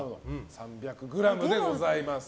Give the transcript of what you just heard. ３００ｇでございます。